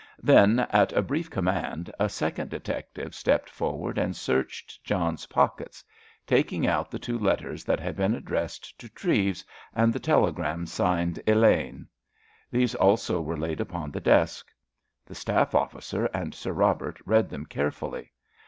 Then, at a brief command, a second detective stepped forward and searched John's pockets, taking out the two letters that had been addressed to Treves and the telegram signed "Elaine." These also were laid upon the desk. The staff officer and Sir Robert read them carefully.